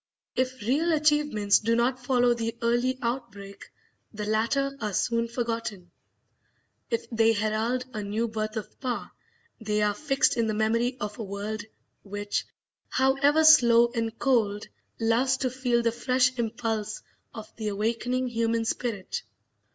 If real achievements do not follow the early outbreak, the latter are soon forgotten; if they herald a new birth of power, they are fixed in the memory of a world which, however slow and cold, loves to feel the fresh impulse of the awakening human spirit.